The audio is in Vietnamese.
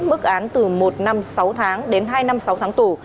mức án từ một năm sáu tháng đến hai năm sáu tháng tù